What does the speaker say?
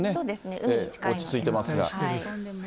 落ち着いていますが。